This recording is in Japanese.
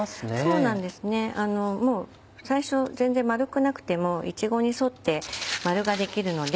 そうなんですね最初全然丸くなくてもいちごに沿って丸ができるので。